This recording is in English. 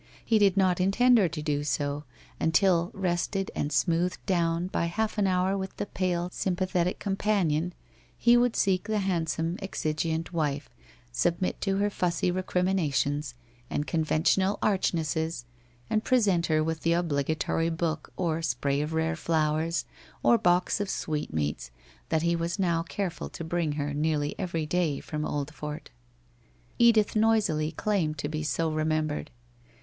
He did not intend her to do so, until rested and smoothed down by 152 WHITE ROSE OF WEARY LEAF 153 half an hour with the pale, sympathetic companion, he would seek the handsome exigeante wife, submit to her fussy recriminations and conventional archnesses, and pre sent her with the obligatory book or spray of rare flowers, or box of sweetmeats that he was now careful to bring her nearly every day from Oldfort. Edith noisily claimed to be so remembered.